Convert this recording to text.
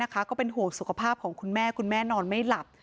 ก็เป็นห่วงสุขภาพของคุณแม่คุณแม่นอนไม่หลับ